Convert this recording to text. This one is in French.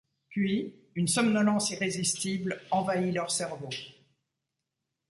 Puis, une somnolence irrésistible envahit leur cerveau.